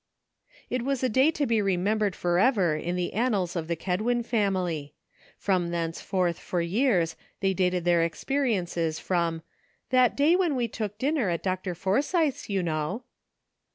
It was a day to be remembered forever in the annals of the Kedwin family. From thence forth for years they dated their experiences from '' that day when we took dinner at Dr. Forsythe's, you know."